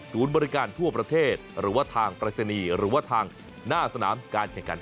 บริการทั่วประเทศหรือว่าทางปรายศนีย์หรือว่าทางหน้าสนามการแข่งขัน